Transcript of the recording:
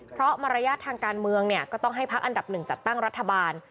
เพราะมารยาททางการเมืองก็ต้องให้พักอันดับหนึ่งจัดตั้งรัฐบาล